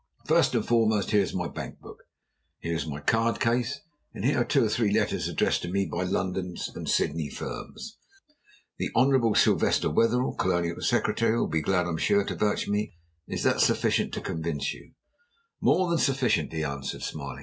"First and foremost, here is my bank book. Here is my card case. And here are two or three letters addressed to me by London and Sydney firms. The Hon. Sylvester Wetherell, Colonial Secretary, will be glad, I'm sure, to vouch for me. Is that sufficient to convince you?" "More than sufficient," he answered, smiling.